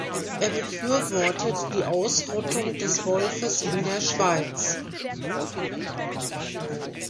Er befürwortet die Ausrottung des Wolfes in der Schweiz.